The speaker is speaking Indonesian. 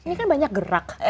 ini kan banyak gerak